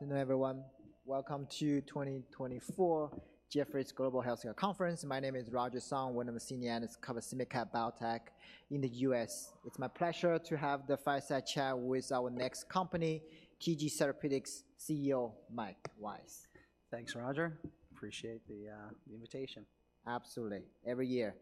Good afternoon, everyone. Welcome to 2024 Jefferies Global Healthcare Conference. My name is Roger Song, one of the senior analysts covering SMID-cap biotech in the U.S. It's my pleasure to have the fireside chat with our next company, TG Therapeutics CEO, Mike Weiss. Thanks, Roger. Appreciate the invitation. Absolutely, every year.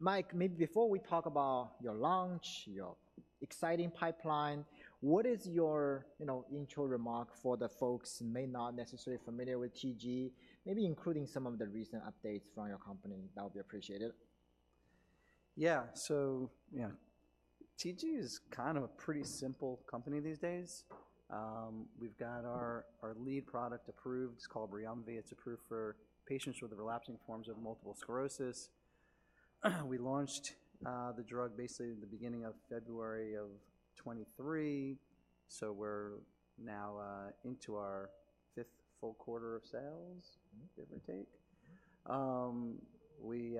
Mike, maybe before we talk about your launch, your exciting pipeline, what is your, you know, intro remark for the folks who may not necessarily familiar with TG? Maybe including some of the recent updates from your company, that would be appreciated. Yeah. So, yeah, TG is kind of a pretty simple company these days. We've got our lead product approved. It's called Briumvi. It's approved for patients with the relapsing forms of multiple sclerosis. We launched the drug basically in the beginning of February of 2023, so we're now into our fifth full quarter of sales, give or take. We've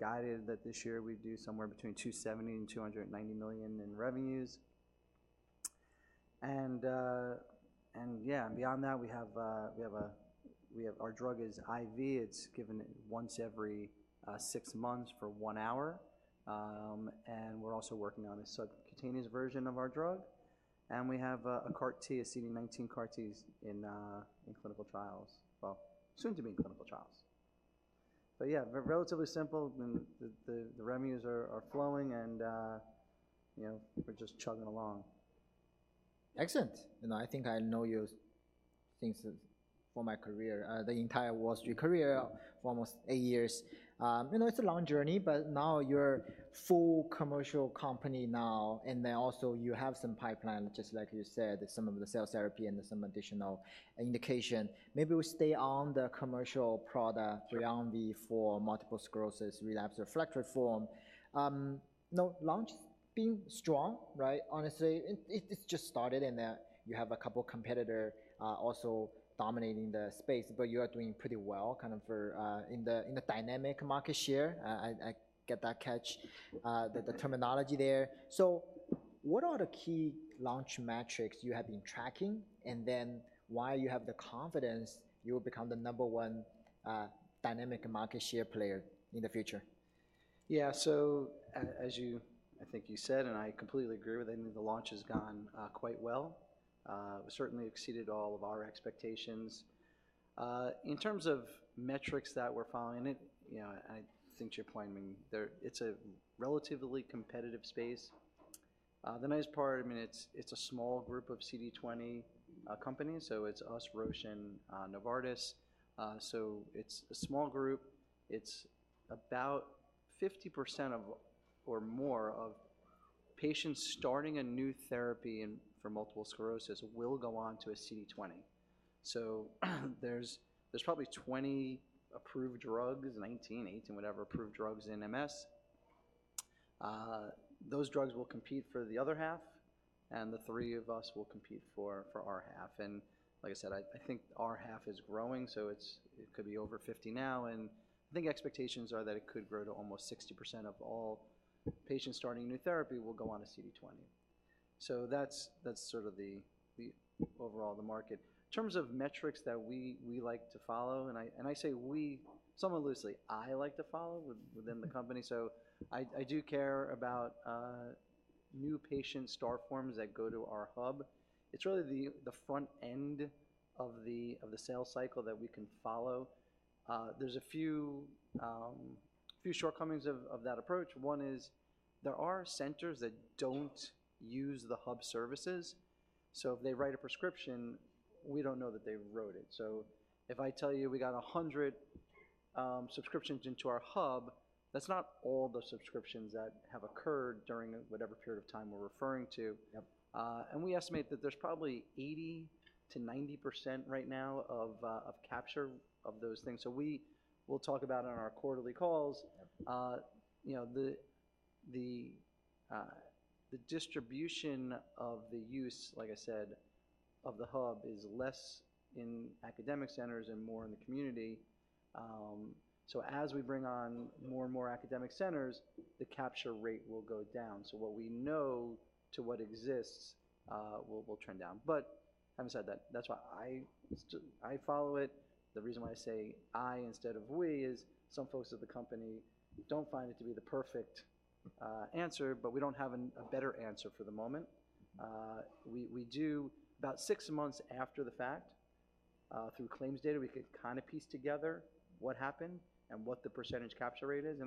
guided that this year we'd do somewhere between $270 million and $290 million in revenues. Yeah, beyond that, our drug is IV. It's given once every six months for one hour. And we're also working on a subcutaneous version of our drug, and we have a CAR T, a CD19 CAR T in clinical trials. Well, soon to be in clinical trials. But yeah, we're relatively simple, and the revenues are flowing and, you know, we're just chugging along. Excellent! And I think I know you since for my career, the entire Wall Street career for almost eight years. You know, it's a long journey, but now you're full commercial company now, and then also you have some pipeline, just like you said, some of the cell therapy and some additional indication. Maybe we stay on the commercial product- Sure. Briumvi for multiple sclerosis, relapsing remitting form. Now, launch being strong, right? Honestly, it, it's just started, and, you have a couple competitor, also dominating the space, but you are doing pretty well, kind of, for, in the, in the dynamic market share. I get that catch, the terminology there. So what are the key launch metrics you have been tracking, and then why you have the confidence you will become the number one, dynamic market share player in the future? Yeah. So as you, I think you said, and I completely agree with it, I mean, the launch has gone quite well. Certainly exceeded all of our expectations. In terms of metrics that we're following, it. You know, I think to your point, I mean, it's a relatively competitive space. The nice part, I mean, it's a small group of CD20 companies, so it's us, Roche, and Novartis. So it's a small group. It's about 50% or more of patients starting a new therapy and for multiple sclerosis will go on to a CD20. So there's probably 20 approved drugs, 19, 18, whatever, approved drugs in MS. Those drugs will compete for the other half, and the 3 of us will compete for our half. And like I said, I, I think our half is growing, so it's, it could be over 50 now, and I think expectations are that it could grow to almost 60% of all patients starting a new therapy will go on to CD20. So that's, that's sort of the, the overall the market. In terms of metrics that we, we like to follow, and I, and I say "we" somewhat loosely, I like to follow within the company. So I, I do care about new patient start forms that go to our hub. It's really the, the front end of the, of the sales cycle that we can follow. There's a few, few shortcomings of, of that approach. One is there are centers that don't use the hub services, so if they write a prescription, we don't know that they wrote it. So if I tell you we got 100 subscriptions into our hub, that's not all the subscriptions that have occurred during whatever period of time we're referring to. Yep. We estimate that there's probably 80%-90% right now of capture of those things. We will talk about it on our quarterly calls. Yep. You know, the distribution of the use, like I said, of the hub is less in academic centers and more in the community. So as we bring on more and more academic centers, the capture rate will go down. So what we know to what exists will trend down. But having said that, that's why I follow it. The reason why I say "I" instead of "we" is some folks at the company don't find it to be the perfect answer, but we don't have a better answer for the moment. We do about six months after the fact, through claims data, we could kind of piece together what happened and what the percentage capture rate is.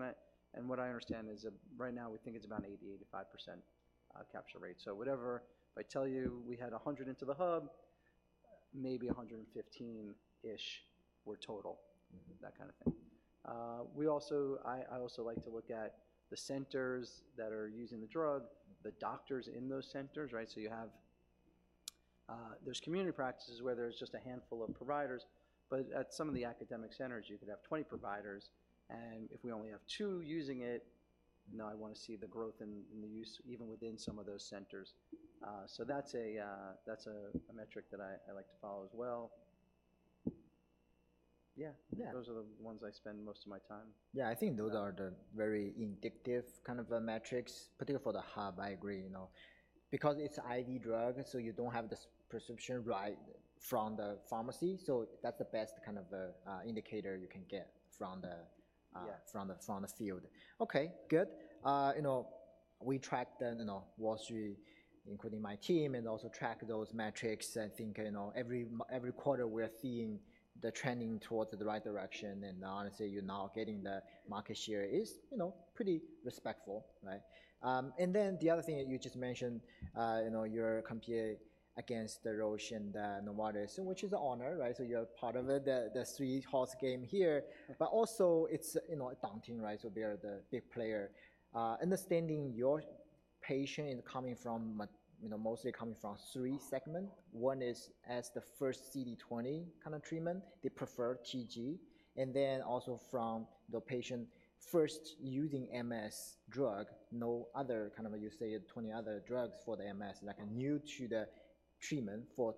What I understand is that right now we think it's about 80%-85% capture rate. So whatever... If I tell you we had 100 into the hub, maybe 115-ish were total. That kind of thing. I also like to look at the centers that are using the drug, the doctors in those centers, right? So you have, there's community practices where there's just a handful of providers, but at some of the academic centers, you could have 20 providers, and if we only have two using it, now I wanna see the growth in the use even within some of those centers. So that's a metric that I like to follow as well. Yeah, yeah. Those are the ones I spend most of my time. Yeah, I think those are the very indicative kind of metrics, particularly for the hub. I agree, you know, because it's IV drug, so you don't have this prescription right from the pharmacy, so that's the best kind of indicator you can get from the- Yeah... from the field. Okay, good. You know, we tracked then, you know, Wall Street, including my team, and also track those metrics. I think, you know, every quarter we're seeing the trending towards the right direction. And honestly, you're now getting the market share is, you know, pretty respectful, right? And then the other thing that you just mentioned, you know, you're competing against Roche and Novartis, which is an honor, right? So you're part of the three horse game here. Yeah. But also it's, you know, daunting, right? So they're the big player. Understanding your patient is coming from—you know, mostly coming from three segments. One is as the first CD20 kind of treatment, they prefer TG, and then also from the patient first using MS drug, no other kind of, you say, 20 other drugs for the MS, like new to the treatment for,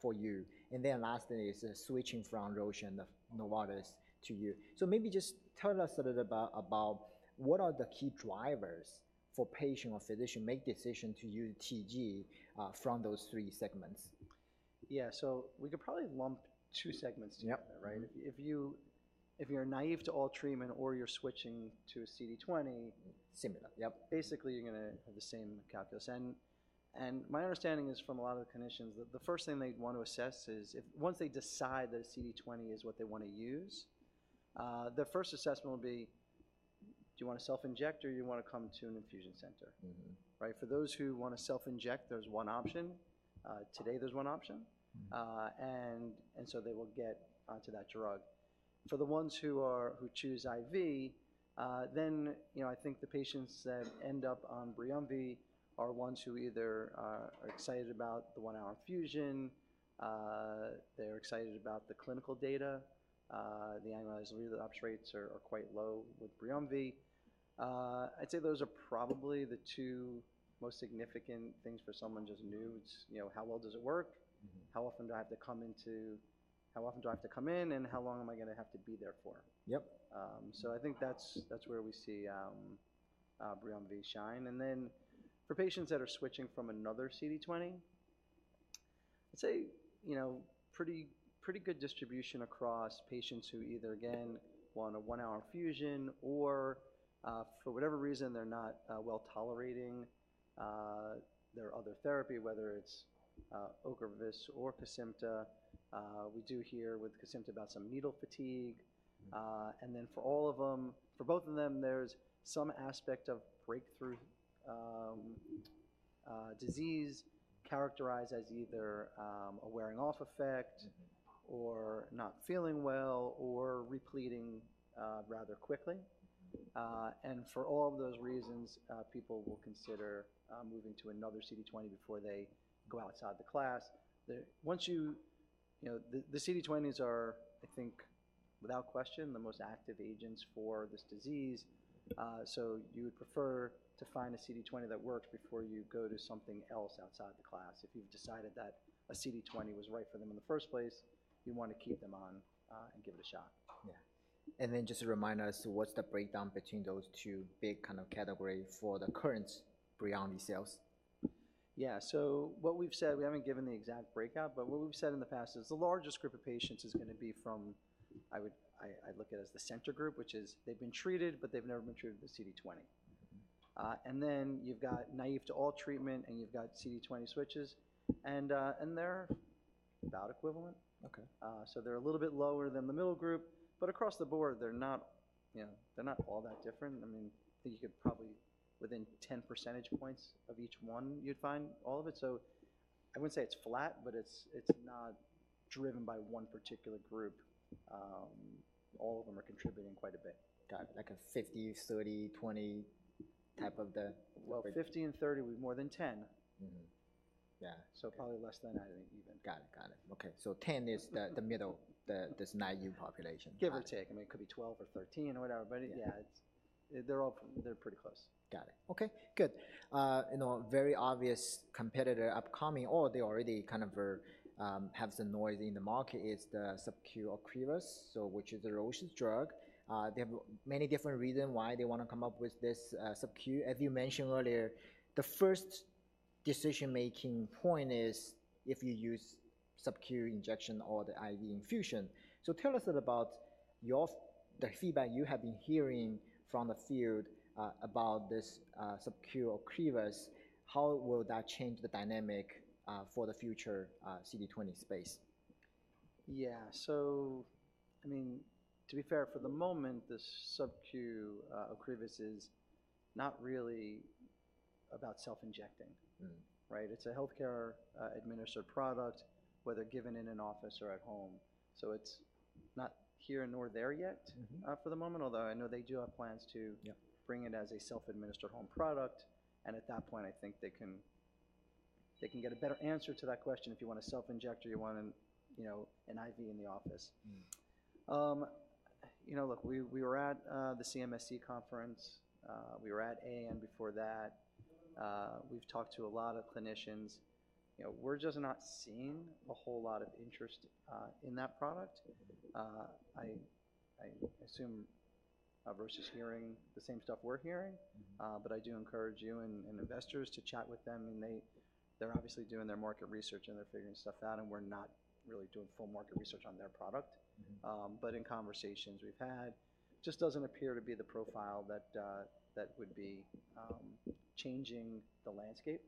for you. And then last thing is switching from Roche and the Novartis to you. So maybe just tell us a little about, about what are the key drivers for patient or physician make decision to use TG, from those three segments? Yeah. So we could probably lump two segments together- Yep... right? If you, if you're naive to all treatment or you're switching to a CD20- Similar, yep. Basically, you're gonna have the same calculus. And my understanding is from a lot of the clinicians that the first thing they'd want to assess is if once they decide that a CD20 is what they want to use, their first assessment will be: do you want to self-inject or you want to come to an infusion center? Right? For those who want to self-inject, there's one option. Today there's one option. And so they will get onto that drug. For the ones who choose IV, then, you know, I think the patients that end up on Briumvi are ones who either are excited about the 1-hour infusion, they're excited about the clinical data. The annualized relapse rates are quite low with Briumvi. I'd say those are probably the two most significant things for someone just new. It's, you know, how well does it work? How often do I have to come in, and how long am I gonna have to be there for? Yep. So, I think that's, that's where we see Briumvi shine. And then for patients that are switching from another CD20, I'd say, you know, pretty, pretty good distribution across patients who either, again, want a one-hour infusion or, for whatever reason, they're not well-tolerating their other therapy, whether it's Ocrevus or Kesimpta. We do hear with Kesimpta about some needle fatigue. And then for all of them—for both of them, there's some aspect of breakthrough disease characterized as either a wearing off effect or not feeling well or relapsing rather quickly. For all of those reasons, people will consider moving to another CD20 before they go outside the class. You know, the CD20s are, I think, without question, the most active agents for this disease. So you would prefer to find a CD20 that works before you go to something else outside the class. If you've decided that a CD20 was right for them in the first place, you want to keep them on and give it a shot. Yeah. And then just to remind us, what's the breakdown between those two big kind of category for the current Briumvi sales? Yeah. So what we've said, we haven't given the exact breakout, but what we've said in the past is the largest group of patients is gonna be from, I would look at as the center group, which is they've been treated, but they've never been treated with CD20. Then you've got naive to all treatment, and you've got CD20 switches, and they're about equivalent. Okay. So they're a little bit lower than the middle group, but across the board, they're not, you know, they're not all that different. I mean, I think you could probably within 10 percentage points of each one, you'd find all of it. So I wouldn't say it's flat, but it's, it's not driven by one particular group. All of them are contributing quite a bit. Got it. Like a 50, 30, 20 type of the- Well, 50 and 30, more than 10. Yeah. So probably less than that, I think, even. Got it. Got it. Okay. So 10 is the middle, this naive population. Give or take. I mean, it could be 12 or 13 or whatever, but- Yeah Yeah, it's, they're all pretty close. Got it. Okay, good. You know, very obvious competitor upcoming or they already kind of are, have some noise in the market is the SubQ Ocrevus, so which is the Roche's drug. They have many different reason why they wanna come up with this, SubQ. As you mentioned earlier, the first decision-making point is if you use SubQ injection or the IV infusion. So tell us a little about your the feedback you have been hearing from the field, about this, SubQ Ocrevus. How will that change the dynamic, for the future, CD20 space? Yeah. So, I mean, to be fair, for the moment, the SubQ, Ocrevus is not really about self-injecting. Right? It's a healthcare, administered product, whether given in an office or at home. So it's not here nor there yet, for the moment, although I know they do have plans to- Yeah... bring it as a self-administered home product. At that point, I think they can, they can get a better answer to that question, if you want to self-inject or you want an, you know, an IV in the office. You know, look, we were at the CMSC conference, we were at AAN before that. We've talked to a lot of clinicians. You know, we're just not seeing a whole lot of interest in that product. I assume versus hearing the same stuff we're hearing. But I do encourage you and investors to chat with them, and they're obviously doing their market research, and they're figuring stuff out, and we're not really doing full market research on their product. But in conversations we've had, just doesn't appear to be the profile that that would be changing the landscape.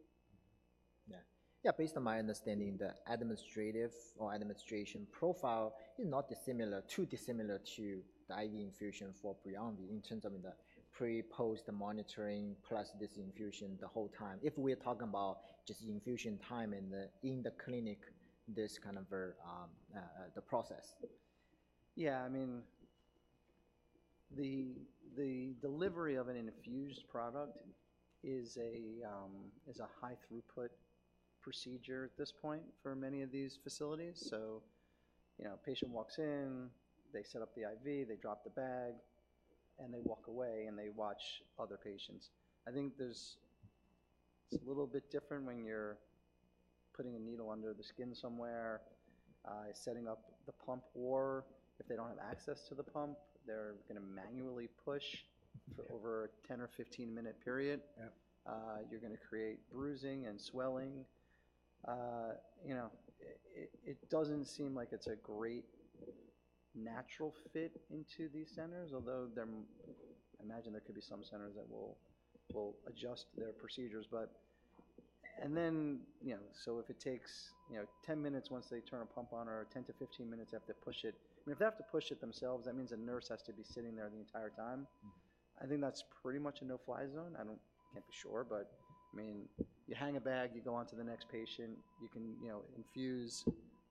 Yeah. Yeah, based on my understanding, the administrative or administration profile is not dissimilar, too dissimilar to the IV infusion for Briumvi in terms of the pre, post monitoring, plus this infusion the whole time. If we're talking about just infusion time in the clinic, this kind of, the process. Yeah, I mean, the delivery of an infused product is a high throughput procedure at this point for many of these facilities. So, you know, a patient walks in, they set up the IV, they drop the bag, and they walk away, and they watch other patients. I think there's- it's a little bit different when you're putting a needle under the skin somewhere, setting up the pump, or if they don't have access to the pump, they're gonna manually push- Yeah. ...for over a 10- or 15-minute period. Yeah. You're gonna create bruising and swelling. You know, it doesn't seem like it's a great natural fit into these centers, although there I imagine there could be some centers that will adjust their procedures. But, and then, you know, so if it takes, you know, 10 minutes once they turn a pump on or 10-15 minutes, they have to push it. I mean, if they have to push it themselves, that means a nurse has to be sitting there the entire time. I think that's pretty much a no-fly zone. I don't, can't be sure, but, I mean, you hang a bag, you go on to the next patient. You can, you know, infuse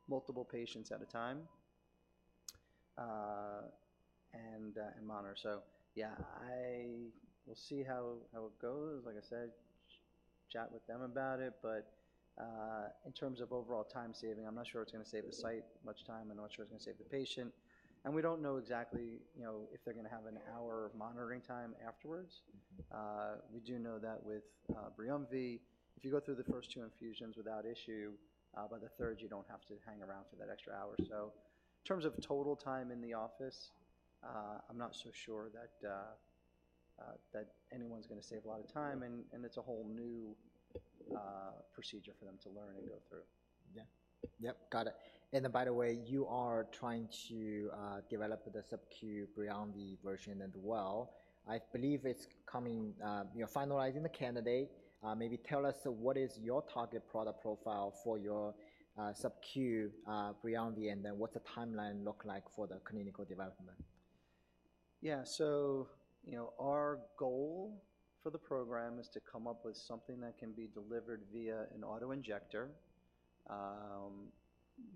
multiple patients at a time, and monitor. So yeah, I will see how it goes. Like I said, chat with them about it, but in terms of overall time saving, I'm not sure it's gonna save the site much time. I'm not sure it's gonna save the patient, and we don't know exactly, you know, if they're gonna have an hour of monitoring time afterwards. We do know that with Briumvi, if you go through the first two infusions without issue, by the third, you don't have to hang around for that extra hour. So in terms of total time in the office, I'm not so sure that anyone's gonna save a lot of time, and it's a whole new procedure for them to learn and go through. Yeah. Yep, got it. And by the way, you are trying to develop the subQ Briumvi version as well. I believe it's coming, you're finalizing the candidate. Maybe tell us, so what is your target product profile for your subQ Briumvi, and then what's the timeline look like for the clinical development? Yeah. So, you know, our goal for the program is to come up with something that can be delivered via an auto-injector,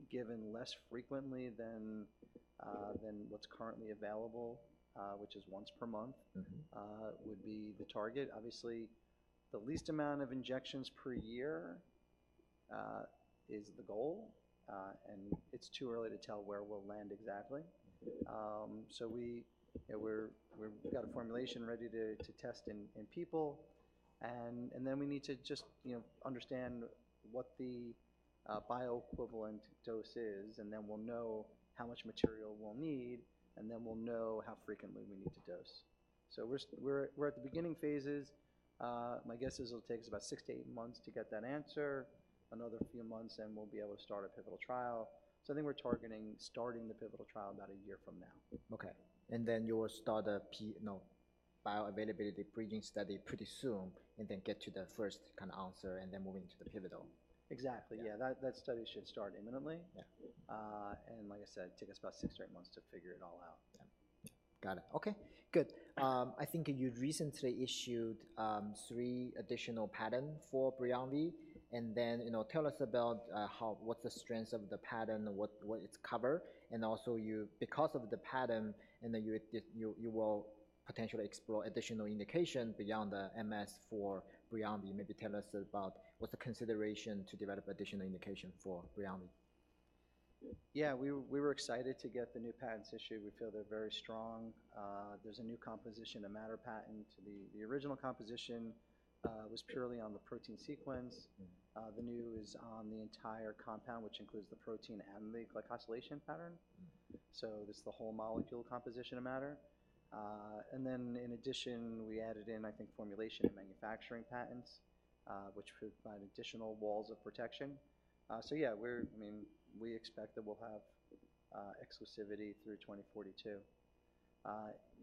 given less frequently than what's currently available, which is once per month would be the target. Obviously, the least amount of injections per year is the goal, and it's too early to tell where we'll land exactly. So we, you know, we're, we've got a formulation ready to test in people, and then we need to just, you know, understand what the bioequivalent dose is, and then we'll know how much material we'll need, and then we'll know how frequently we need to dose. So we're we're at the beginning phases. My guess is it'll take us about six to eight months to get that answer. Another few months, and we'll be able to start a pivotal trial. So I think we're targeting starting the pivotal trial about a year from now. Okay. You will start a bioavailability bridging study pretty soon, and then get to the first kind of answer, and then moving to the pivotal. Exactly. Yeah. Yeah, that study should start imminently. Yeah. Like I said, take us about six to eight months to figure it all out. Yeah. Got it. Okay, good. Yeah. I think you recently issued three additional patent for Briumvi, and then, you know, tell us about how what's the strengths of the patent, what what it's cover. And also, because of the patent and then you will potentially explore additional indication beyond the MS for Briumvi. Maybe tell us about what's the consideration to develop additional indication for Briumvi. Yeah, we were excited to get the new patents issued. We feel they're very strong. There's a new composition of matter patent. The original composition was purely on the protein sequence. The new is on the entire compound, which includes the protein and the glycosylation pattern. So this is the whole molecule composition of matter. And then in addition, we added in, I think, formulation and manufacturing patents, which provide additional walls of protection. So yeah, we're... I mean, we expect that we'll have exclusivity through 2042.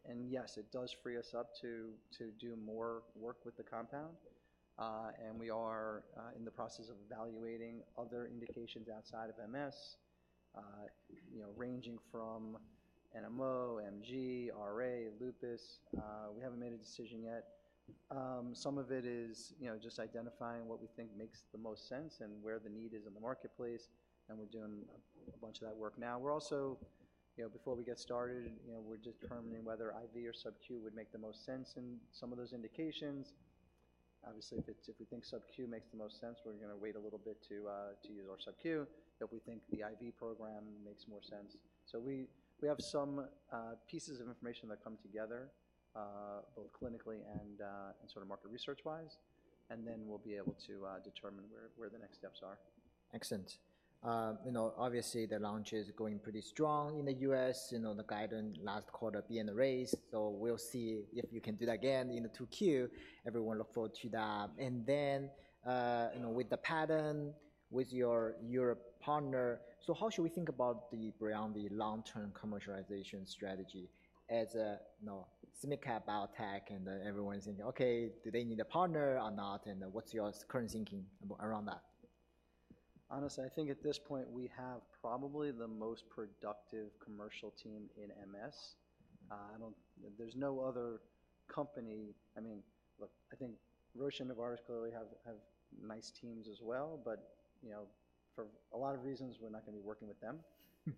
And yes, it does free us up to do more work with the compound, and we are in the process of evaluating other indications outside of MS, you know, ranging from NMO, MG, RA, Lupus. We haven't made a decision yet. Some of it is, you know, just identifying what we think makes the most sense and where the need is in the marketplace, and we're doing a bunch of that work now. We're also, you know, before we get started, you know, we're determining whether IV or subQ would make the most sense in some of those indications. Obviously, if we think subQ makes the most sense, we're gonna wait a little bit to, to use our subQ. If we think the IV program makes more sense. So we have some pieces of information that come together, both clinically and sort of market research-wise, and then we'll be able to determine where the next steps are. Excellent. You know, obviously, the launch is going pretty strong in the U.S. You know, the guidance last quarter beat in the race, so we'll see if you can do that again in the 2Q. Everyone look forward to that. And then, you know, with the pattern with your, your partner, so how should we think about the Briumvi long-term commercialization strategy as a, you know, SMID-cap biotech, and everyone's thinking, "Okay, do they need a partner or not?" And what's your current thinking around that? Honestly, I think at this point, we have probably the most productive commercial team in MS. I don't, there's no other company... I mean, look, I think Roche and Novartis clearly have, have nice teams as well, but, you know, for a lot of reasons, we're not gonna be working with them.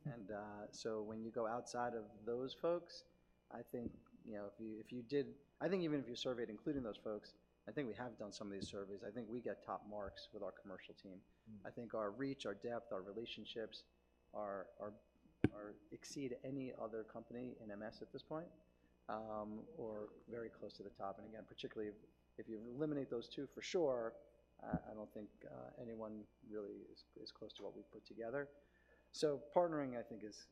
And, so when you go outside of those folks, I think, you know, if you, if you did, I think even if you surveyed, including those folks, I think we have done some of these surveys. I think we get top marks with our commercial team. I think our reach, our depth, our relationships are exceed any other company in MS at this point, or very close to the top. And again, particularly, if you eliminate those two, for sure, I don't think anyone really is close to what we've put together. So partnering, I think, is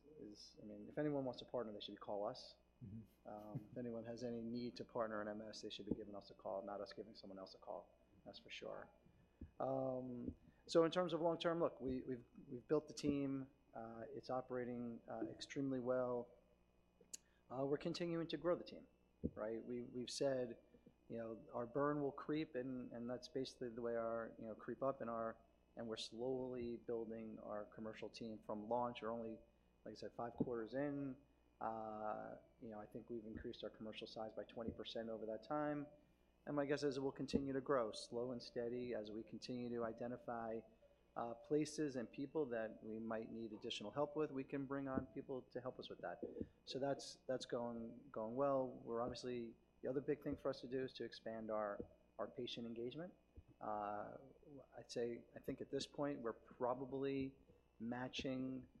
I mean, if anyone wants to partner, they should call us. If anyone has any need to partner in MS, they should be giving us a call, not us giving someone else a call. That's for sure. So in terms of long term, look, we've built the team. It's operating extremely well. We're continuing to grow the team, right? We've said, you know, our burn will creep in, and that's basically the way our, you know, and we're slowly building our commercial team from launch. We're only, like I said, five quarters in. You know, I think we've increased our commercial size by 20% over that time, and my guess is it will continue to grow slow and steady as we continue to identify places and people that we might need additional help with. We can bring on people to help us with that. So that's going well. We're obviously... The other big thing for us to do is to expand our patient engagement. I'd say, I think at this point, we're probably matching the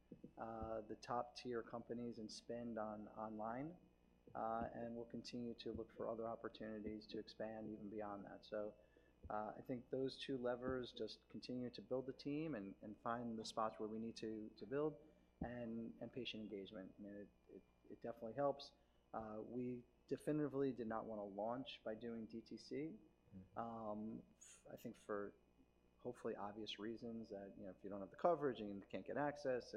top-tier companies in spend on online, and we'll continue to look for other opportunities to expand even beyond that. So, I think those two levers just continue to build the team and find the spots where we need to build and patient engagement. I mean, it definitely helps. We definitively did not want to launch by doing DTC. I think for hopefully obvious reasons that, you know, if you don't have the coverage and you can't get access,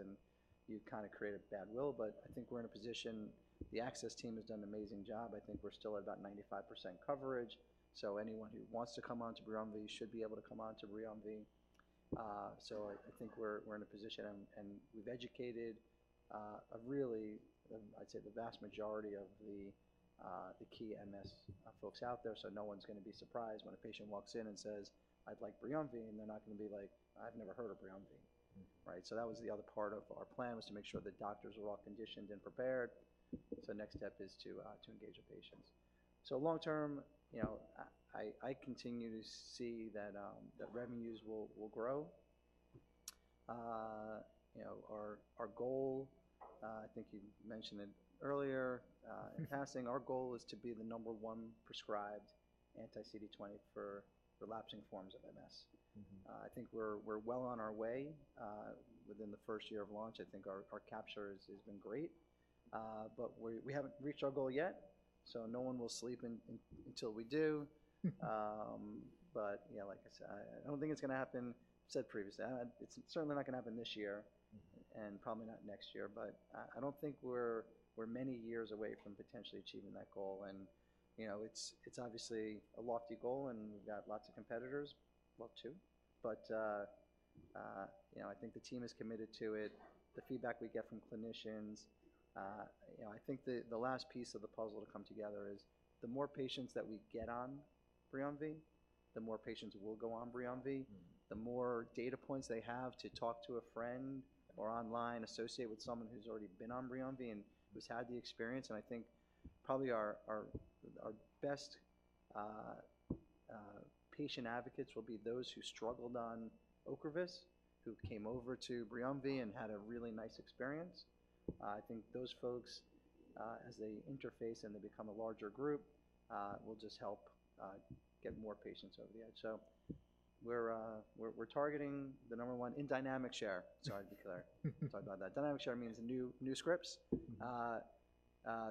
and you kind of create a bad will. But I think we're in a position, the access team has done an amazing job. I think we're still at about 95% coverage, so anyone who wants to come on to Briumvi should be able to come on to Briumvi. So I think we're in a position, and we've educated a really, I'd say, the vast majority of the key MS folks out there, so no one's gonna be surprised when a patient walks in and says: "I'd like Briumvi," and they're not gonna be like: "I've never heard of Briumvi. Right? So that was the other part of our plan, was to make sure that doctors are all conditioned and prepared. So the next step is to engage the patients. So long term, you know, I continue to see that the revenues will grow. You know, our goal, I think you mentioned it earlier, in passing, our goal is to be the number one prescribed anti-CD20 for relapsing forms of MS. I think we're well on our way. Within the first year of launch, I think our capture has been great, but we haven't reached our goal yet, so no one will sleep until we do. But yeah, like I said, I don't think it's gonna happen, said previously. It's certainly not gonna happen this year. and probably not next year, but I don't think we're many years away from potentially achieving that goal. And, you know, it's obviously a lofty goal, and we've got lots of competitors. Well, two. But, you know, I think the team is committed to it. The feedback we get from clinicians... You know, I think the last piece of the puzzle to come together is the more patients that we get on Briumvi, the more patients will go on Briumvi. The more data points they have to talk to a friend or online, associate with someone who's already been on Briumvi and who's had the experience, and I think probably our best patient advocates will be those who struggled on Ocrevus, who came over to Briumvi and had a really nice experience. I think those folks, as they interface and they become a larger group, will just help get more patients over the edge. So we're targeting the number one in dynamic share. Sorry, to be clear. Talk about that. Dynamic share means the new scripts.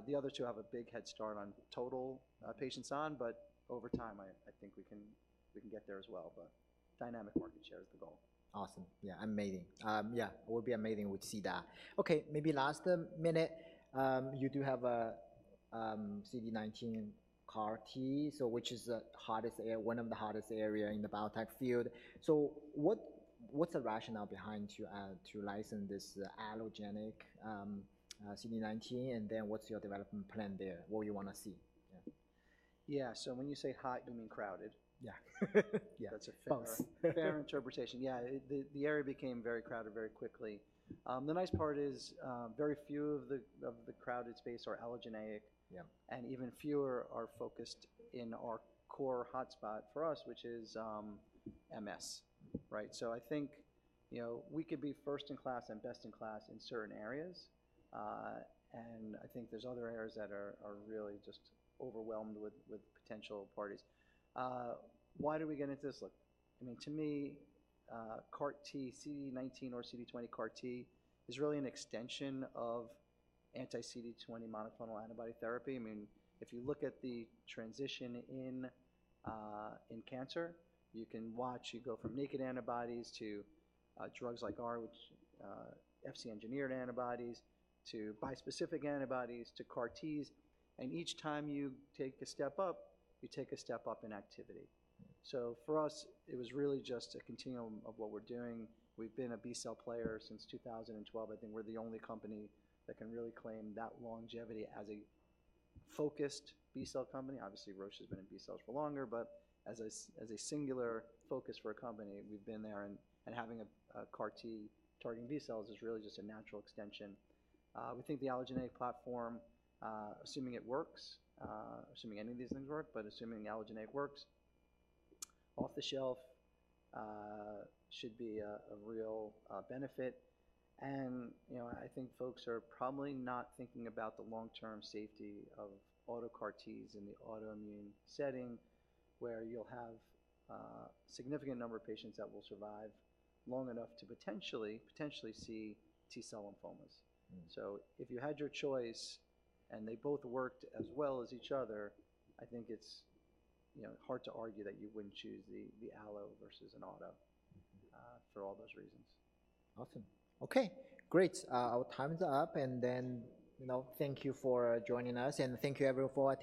The other two have a big head start on total patients on, but over time, I think we can get there as well, but dynamic market share is the goal. Awesome. Yeah, amazing. Yeah, it would be amazing we'd see that. Okay, maybe last minute, you do have a CD19 CAR T, so which is the hottest area—one of the hottest area in the biotech field. So what, what's the rationale behind to, to license this allogeneic CD19? And then what's your development plan there? What you wanna see? Yeah. Yeah. So when you say hot, you mean crowded? Yeah. Yeah. That's a fair- Close. fair interpretation. Yeah, the area became very crowded very quickly. The nice part is, very few of the crowded space are allogeneic. Yeah. And even fewer are focused in our core hotspot for us, which is MS, right? So I think, you know, we could be first in class and best in class in certain areas, and I think there's other areas that are really just overwhelmed with potential parties. Why did we get into this? Look, I mean, to me, CAR T, CD19 or CD20 CAR T is really an extension of anti-CD20 monoclonal antibody therapy. I mean, if you look at the transition in cancer, you can watch it go from naked antibodies to drugs like ARE, Fc engineered antibodies, to bispecific antibodies, to CAR Ts, and each time you take a step up, you take a step up in activity. So for us, it was really just a continuum of what we're doing. We've been a B-cell player since 2012. I think we're the only company that can really claim that longevity as a focused B-cell company. Obviously, Roche has been in B-cells for longer, but as a singular focus for a company, we've been there, and having a CAR T targeting B-cells is really just a natural extension. We think the allogeneic platform, assuming it works, assuming any of these things work, but assuming the allogeneic works off the shelf, should be a real benefit. And, you know, I think folks are probably not thinking about the long-term safety of auto CAR Ts in the autoimmune setting, where you'll have a significant number of patients that will survive long enough to potentially see T-cell lymphomas. So if you had your choice and they both worked as well as each other, I think it's, you know, hard to argue that you wouldn't choose the allo versus an auto for all those reasons. Awesome. Okay, great. Our time is up, and then, you know, thank you for joining us, and thank you, everyone, for attending-